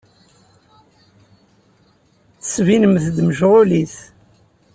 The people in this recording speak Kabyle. Ttettbinemt-d mecɣulit.